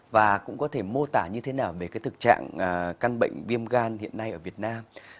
và cũng có thể mô tả như thế nào về cái thực trạng căn bệnh viêm gan hiện nay ở việt nam